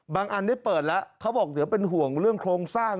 อันได้เปิดแล้วเขาบอกเดี๋ยวเป็นห่วงเรื่องโครงสร้าง